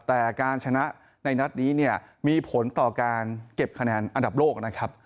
แต่การชนะในนัดนี้เนี่ยมีผลต่อการเก็บคะแนนอันดับโลกนะครับ